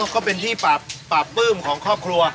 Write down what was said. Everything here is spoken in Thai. ก็เป็นที่ปราบปลื้มของครอบครัว